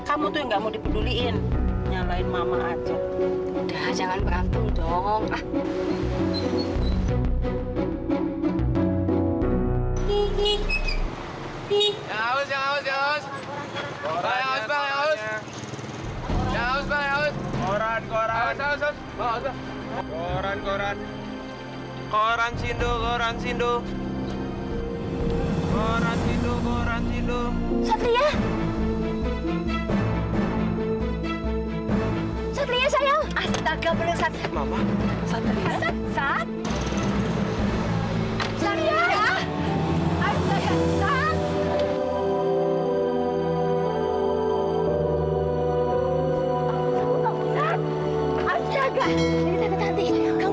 sampai jumpa di video selanjutnya